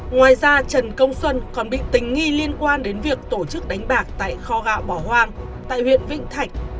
ngoài ra trần công xuân còn bị tình nghi liên quan đến việc tổ chức đánh bạc tại kho gạo bỏ hoang tại huyện vĩnh thạch